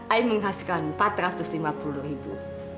ain menghasilkan empat ratus lima puluh ribu